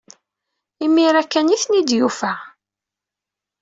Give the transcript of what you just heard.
Imir-a kan ay ten-id-yufa.